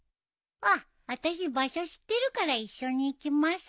あっあたし場所知ってるから一緒に行きます。